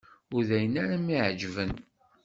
Ur d ayen ara m-iεeǧben.